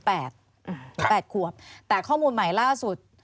๘ขวบแต่ข้อมูลใหม่ล่าสุด